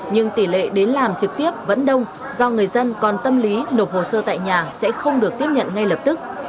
nhưng tỷ lệ đến làm trực tiếp vẫn đông do người dân còn tâm lý nộp hồ sơ tại nhà sẽ không được tiếp nhận ngay lập tức